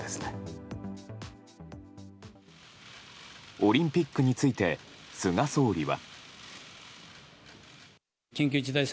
オリンピックについて菅総理は。